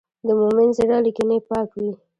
د مؤمن زړه له کینې پاک وي.